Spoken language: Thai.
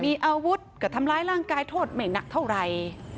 มีอาวุธก็ทำร้ายร่างกายโทษไม่หนักเท่าไหร่